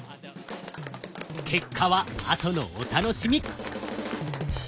結果はあとのお楽しみ！